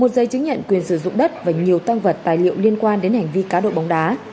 một giấy chứng nhận quyền sử dụng đất và nhiều tăng vật tài liệu liên quan đến hành vi cá độ bóng đá